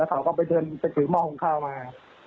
เขาก็ไปเดินไปถือหม้อหุงข้าวมา